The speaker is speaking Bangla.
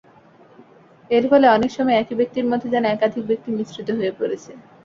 এর ফলে, অনেক সময় একই ব্যক্তির মধ্যে যেন একাধিক ব্যক্তি মিশ্রিত হয়ে পড়েছে।